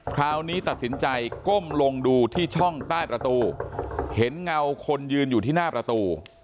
คราวนี้ตัดสินใจก้มลงดูที่ช่องใต้ประตูเห็นเงาคนยืนอยู่ที่หน้าประตู